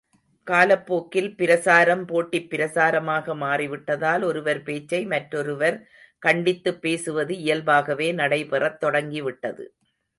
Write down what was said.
காலப் போக்கில் பிரசாரம் போட்டிப் பிரசாரமாக மாறிவிட்டதால், ஒருவர் பேச்சை மற்றொருவர் கண்டித்துப் பேசுவது இயல்பாகவே நடைபெறத் தொடங்கிவிட்டது.